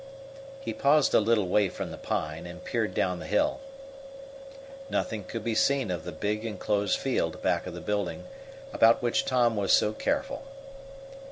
He paused a little way from the pine, and peered down the hill. Nothing could be seen of the big enclosed field back of the building about which Tom was so careful.